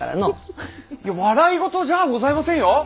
笑い事じゃあございませんよ。